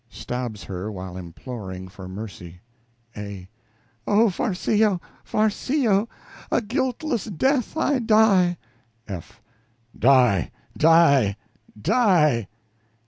(Stabs her while imploring for mercy.) A. Oh, Farcillo, Farcillo, a guiltless death I die. F. Die! die! die!